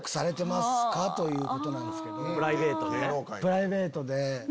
プライベートでね。